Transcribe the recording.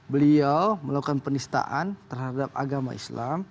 beliau melakukan penistaan terhadap agama islam